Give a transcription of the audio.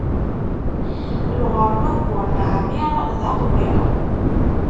Lɣeṛba n wur neɛmiṛ, d aqwiṛ.